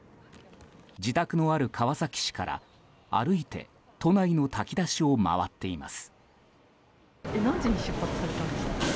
自宅のある川崎市から、歩いて都内の炊き出しを回っています。